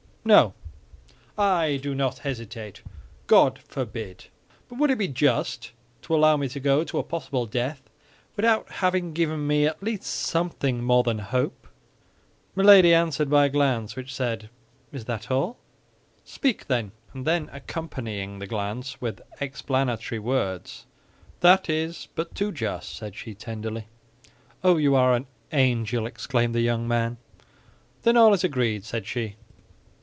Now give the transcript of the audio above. "No, I do not hesitate; God forbid! But would it be just to allow me to go to a possible death without having given me at least something more than hope?" Milady answered by a glance which said, "Is that all?—speak, then." And then accompanying the glance with explanatory words, "That is but too just," said she, tenderly. "Oh, you are an angel!" exclaimed the young man. "Then all is agreed?" said she.